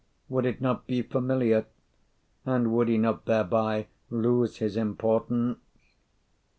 Would it not be familiar? and would he not thereby lose his importance?"